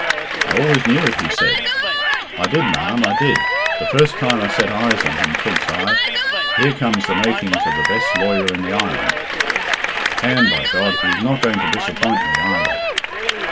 "I always knew it," he said. "I did, ma'am, I did. The first time I set eyes on him, thinks I, 'Here comes the makings of the best lawyer in the island,' and by he's not going to disappoint me either."